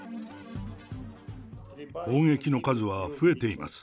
砲撃の数は増えています。